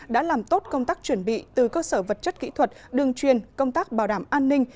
đã làm tốt công tác chuẩn bị từ cơ sở vật chất kỹ thuật đường truyền công tác bảo đảm an ninh